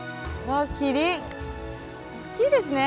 大きいですね。